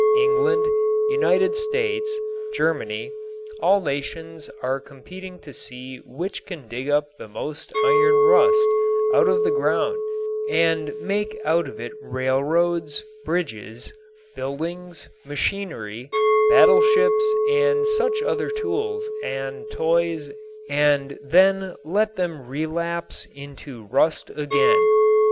England, United States, Germany, all nations are competing to see which can dig the most iron rust out of the ground and make out of it railroads, bridges, buildings, machinery, battleships and such other tools and toys and then let them relapse into rust again.